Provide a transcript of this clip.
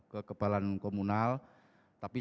kekebalan komunal tapi